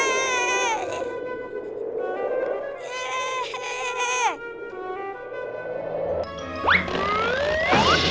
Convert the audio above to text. aku terbang le